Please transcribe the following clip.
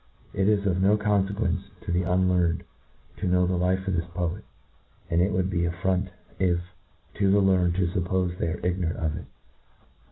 It is of ^no x:onfequence to the unlearned to know the life of this poet J and it would be affrontive to the learned to fuppofe they are ignorant of it.